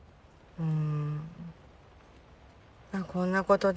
うん。